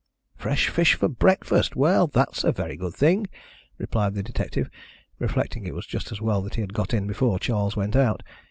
"Fresh fish for breakfast! Well, that's a very good thing," replied the detective, reflecting it was just as well that he had got in before Charles went out.